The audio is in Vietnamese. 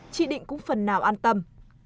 chị định cũng phần nào an tâm